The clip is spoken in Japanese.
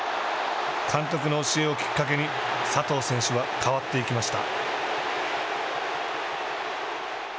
監督の教えをきっかけに佐藤選手は変わっていきました。